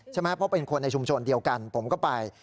เพราะเป็นคนในชุมชนเดียวกันผมก็ไป